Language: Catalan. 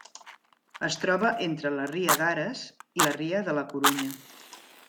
Es troba entre la ria d'Ares i la ria de la Corunya.